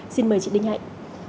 xin mời chị đinh hạnh